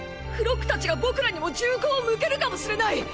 フロックたちが僕らにも銃口を向けるかもしれない！！